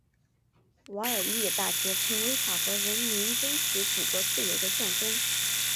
瓦尔密大捷成为法国人民争取祖国自由的象征。